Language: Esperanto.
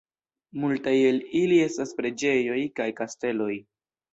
Multaj el ili estas preĝejoj kaj kasteloj.